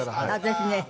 私ね